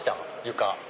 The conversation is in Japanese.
床。